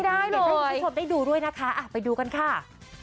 เพิ่มได้ดูด้วยนะคะไปดูกันค่ะ